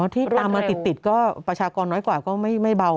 ที่ตามมาติดก็ประชากรน้อยกว่าก็ไม่เบา